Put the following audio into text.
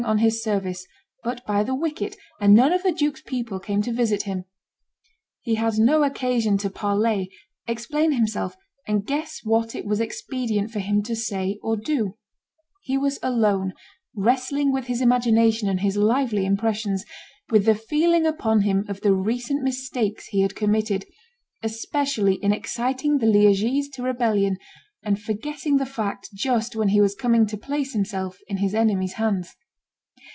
on his service, but by the wicket, and none of the duke's people came to visit him; he had no occasion to parley, explain himself, and guess what it was expedient for him to say or do; he was alone, wrestling with his imagination and his lively impressions, with the feeling upon him of the recent mistakes he had committed, especially in exciting the Liegese to rebellion, and forgetting the fact just when he was coming to place himself in his enemy's hands.